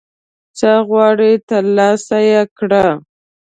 څه غواړي ترلاسه یې کړه